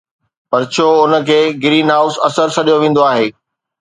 پر ڇو ان کي گرين هائوس اثر سڏيو ويندو آهي؟